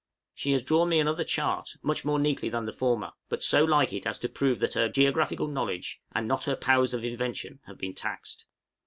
She has drawn me another chart, much more neatly than the former, but so like it as to prove that her geographical knowledge, and not her powers of invention, have been taxed.